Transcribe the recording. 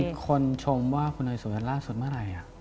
คนชมว่าคุณนายสวยล่าสุดเมื่อไหร่